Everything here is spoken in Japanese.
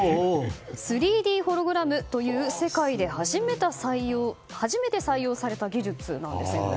３Ｄホログラムという世界で初めて採用された技術なんです。